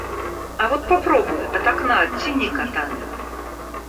А вот попробуй — от окна оттяни кота.